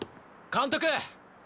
監督！